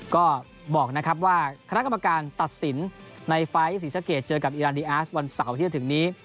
ก็บอกนะครับว่าคณะกรรมการตัดสินในไฟล์ศรีสะเกดเจอกับอีรานดีอาร์สวันเสาร์ที่จะถึงนี้